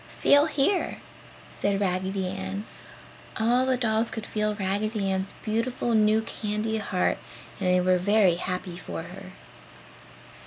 Feel here," said Raggedy Ann. All the dolls could feel Raggedy Ann's beautiful new candy heart and they were very happy for her.